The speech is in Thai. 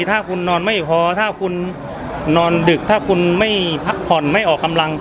ถ้าคุณนอนไม่พอถ้าคุณนอนดึกถ้าคุณไม่พักผ่อนไม่ออกกำลัง